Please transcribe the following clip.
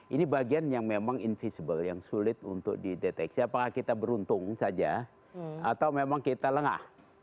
ini bagian yang memang invisible yang sulit untuk dideteksi apakah kita beruntung saja atau memang kita lengah